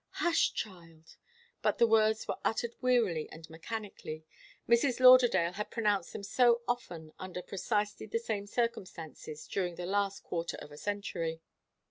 "Hush, child!" But the words were uttered wearily and mechanically Mrs. Lauderdale had pronounced them so often under precisely the same circumstances during the last quarter of a century.